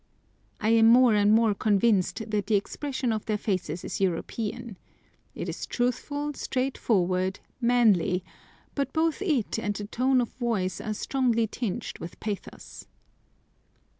I am more and more convinced that the expression of their faces is European. It is truthful, straightforward, manly, but both it and the tone of voice are strongly tinged with pathos.